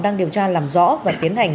đang điều tra làm rõ và tiến hành